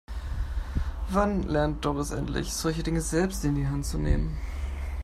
Wann lernt Doris endlich, solche Dinge selbst in die Hand zu nehmen?